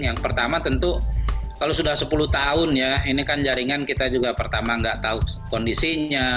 yang pertama tentu kalau sudah sepuluh tahun ya ini kan jaringan kita juga pertama nggak tahu kondisinya